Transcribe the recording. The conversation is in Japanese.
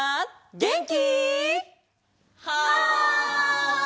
げんき！